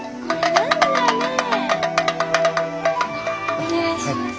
お願いします。